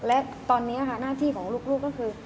และตอนนี้ค่ะหน้าที่ของลูกก็คือ